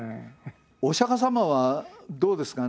お釈迦様はどうですかね？